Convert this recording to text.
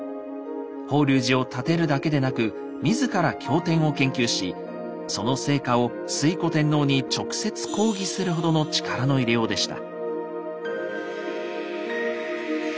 法隆寺を建てるだけでなく自ら経典を研究しその成果を推古天皇に直接講義するほどの力の入れようでした。